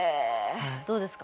どうですか？